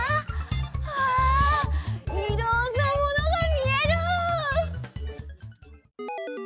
うわいろんなものがみえる！